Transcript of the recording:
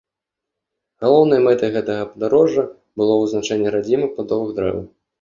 Галоўнай мэтай гэтага падарожжа было вызначэнне радзімы пладовых дрэў.